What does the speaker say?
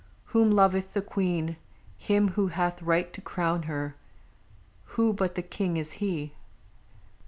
Whom loveth the Queen? Him who hath right to crown her. Who but the King is he?